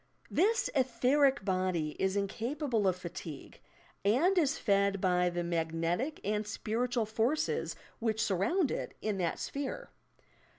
This etheric body is incapable of fatigue, and is fed by the magnetic and spiritual forces which surround it in that sphere.